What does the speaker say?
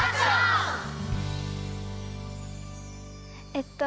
えっと